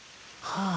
はあ？